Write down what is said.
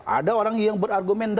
ada orang yang berargumen